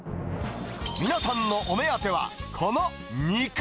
皆さんのお目当ては、この肉。